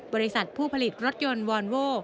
บริษัทผู้ผลิตรถยนต์วอนโว้